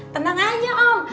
tenang aja om